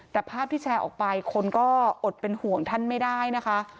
แต่ภาพที่แชร์ออกไปคนก็อดเป็นห่วงท่านไม่ได้นะคะ